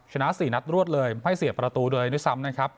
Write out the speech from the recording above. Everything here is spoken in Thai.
ชนะ๔นัดรวดเลยไม่เสียประตูเลยด้วยซ้ำนะครับ